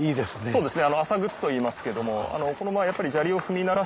そうですね。